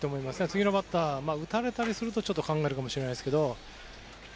次のバッターに打たれたりするとちょっと考えるかもしれないですけど。